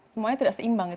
semuanya tidak seimbang